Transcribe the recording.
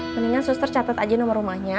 mendingan suster catat aja nomor rumahnya